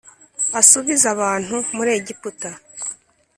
asubize abantu muri Egiputa